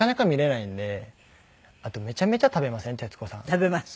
食べます。